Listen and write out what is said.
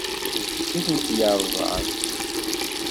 D kečč i ten-yeṛẓan.